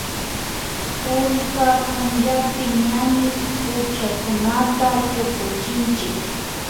kullka pullapi ñami puchakunata tukuchinchik